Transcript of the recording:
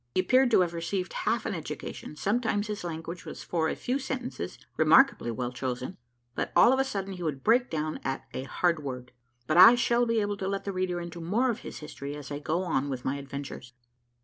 He appeared to have received half an education; sometimes his language was for a few sentences remarkably well chosen, but, all of a sudden, he would break down at a hard word; but I shall be able to let the reader into more of his history as I go on with my adventures.